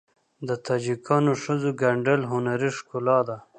د تاجکو ښځو ګنډل هنري ښکلا ده.